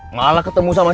malah ketemu sama aku